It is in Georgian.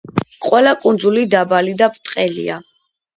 ყველა კუნძული დაბალი და ბრტყელია.